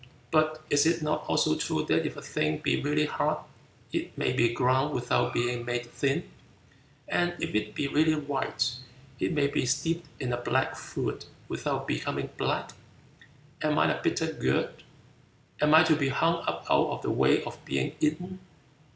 But is it not also true that if a thing be really hard, it may be ground without being made thin; and if it be really white, it may be steeped in a black fluid without becoming black? Am I a bitter gourd? Am I to be hung up out of the way of being eaten?"